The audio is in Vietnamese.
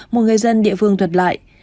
một người dân địa phương thuật lại